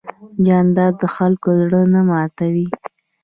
جانداد د خلکو زړه نه ماتوي.